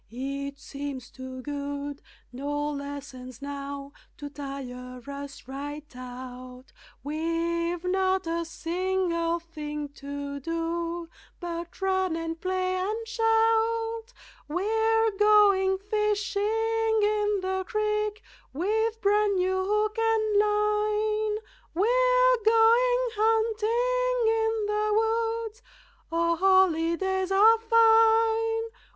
It seems too good no lessons now To tire us right out, We've not a single thing to do But run, and play, and shout. We're going fishing in the creek With bran new hook an' line, We're going hunting in the woods, O, holidays are fine!